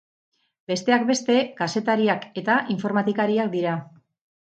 Besteak beste, kazetariak eta informatikariak dira.